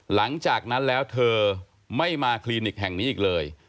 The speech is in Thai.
หลังจากนั้นแล้วเธอไม่มาคลินิกแห่งนี้อีกเลย